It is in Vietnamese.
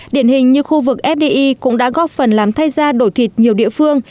điển hình như khu vực fdi cũng đã góp phần làm thay ra đổi thịt nhiều địa phương